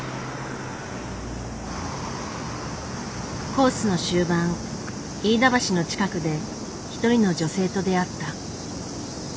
コースの終盤飯田橋の近くで一人の女性と出会った。